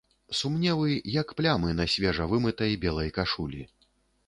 Сумневы, як плямы на свежа вымытай, белай кашулі.